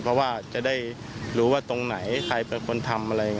เพราะว่าจะได้รู้ว่าตรงไหนใครเป็นคนทำอะไร